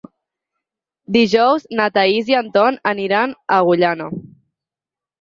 Dijous na Thaís i en Ton aniran a Agullana.